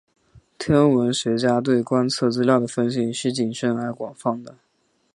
天文学家对观测资料的分析是谨慎而广泛的。